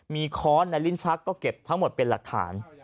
มีค้อนในลิ้นชักก็เก็บทั้งหมดเป็นหลักฐาน